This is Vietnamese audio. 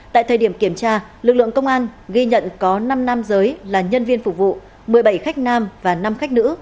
tại thời điểm kiểm tra lực lượng công an ghi nhận có năm nam giới là nhân viên phục vụ một mươi bảy khách nam và năm khách nữ